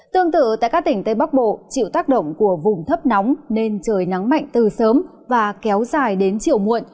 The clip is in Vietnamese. tương tự tại các tỉnh tây bắc bộ chịu tác động của vùng thấp nóng nên trời nắng mạnh từ sớm và kéo dài đến chiều muộn